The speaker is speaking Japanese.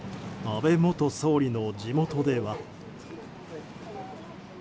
安倍元総理の地元では。